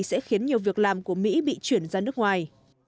sẽ khiến nhiều việc làm của mỹ bị chuyển ra nước ngoài